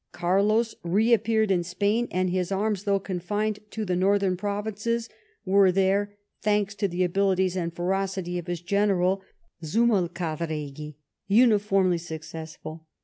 Carlos re appeared in Spain, and his arms, though confined to the northern provinces, were there, thanks to the abilities and ferocity of his general Zumalacarregui, uniformly successful.